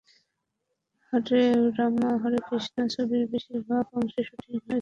হরে রামা হরে কৃষ্ণা ছবির বেশির ভাগ অংশের শুটিং হয়েছে নেপালে।